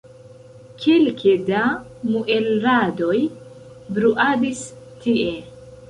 Kelke da muelradoj bruadis tie.